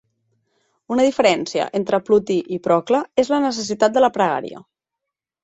Una diferència entre Plotí i Procle és la necessitat de la pregària.